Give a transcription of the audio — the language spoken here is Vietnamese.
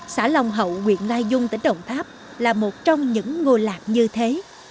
xã long hậu nguyễn lai dung tỉnh đồng tháp là một trong những ngôi làng như thế